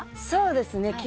そうですね。